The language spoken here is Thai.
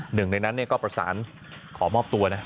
หนึ่งในนั้นก็ประสานขอมอบตัวนะ